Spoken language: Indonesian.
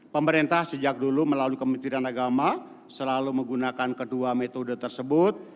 pemerintah sejak dulu melalui kementerian agama selalu menggunakan kedua metode tersebut